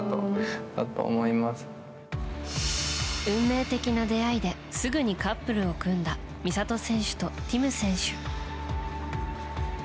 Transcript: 運命的な出会いですぐにカップルを組んだ美里選手とティム選手。